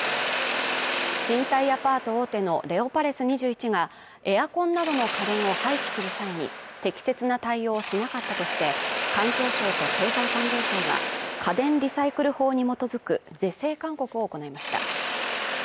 賃貸アパート大手のレオパレス２１が、エアコンなどの家電を廃棄する際に適切な対応をしなかったとして、環境省と経済産業省が家電リサイクル法に基づく是正勧告を行いました。